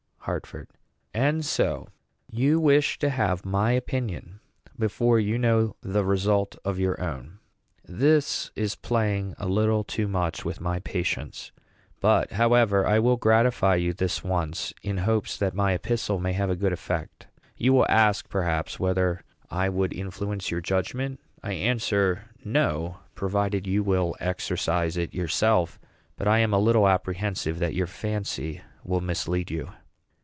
HARTFORD. And so you wish to have my opinion before you know the result of your own. This is playing a little too much with my patience; but, however, I will gratify you this once, in hopes that my epistle may have a good effect. You will ask, perhaps, whether I would influence your judgment. I answer, No, provided you will exercise it yourself; but I am a little apprehensive that your fancy will mislead you.